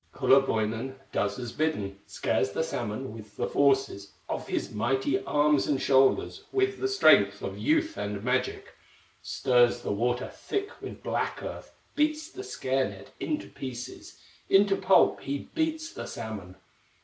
Kullerwoinen does as bidden, Scares the salmon with the forces Of his mighty arms and shoulders, With the strength of youth and magic, Stirs the water thick with black earth, Beats the scare net into pieces, Into pulp he beats the salmon.